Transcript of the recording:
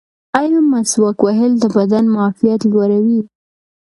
ایا مسواک وهل د بدن معافیت لوړوي؟